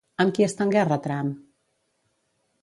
Amb qui està en guerra Trump?